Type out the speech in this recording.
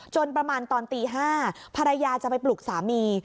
ประมาณตอนตี๕ภรรยาจะไปปลุกสามี